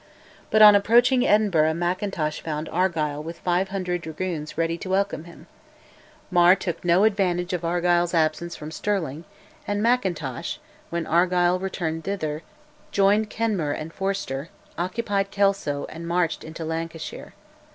But on approaching Edinburgh Mackintosh found Argyll with 500 dragoons ready to welcome him; Mar took no advantage of Argyll's absence from Stirling, and Mackintosh, when Argyll returned thither, joined Kenmure and Forster, occupied Kelso, and marched into Lancashire.